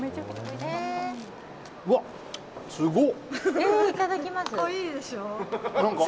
うわ、すごっ！